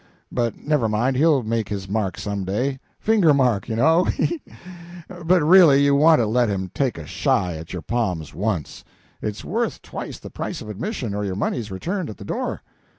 But never mind; he'll make his mark some day finger mark, you know, he he! But really, you want to let him take a shy at your palms once; it's worth twice the price of admission or your money's returned at the door.